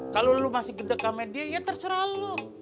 kalau lo masih gedeg sama dia ya terserah lo